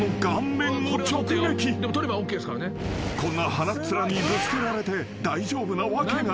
［こんな鼻っ面にぶつけられて大丈夫なわけがない］